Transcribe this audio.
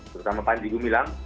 terutama pak hidung bilang